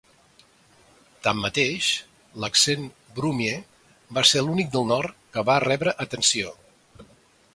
Tanmateix, l'accent Brummie va ser l'únic del nord que va rebre atenció.